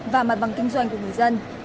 và mặt bằng kinh doanh của người dân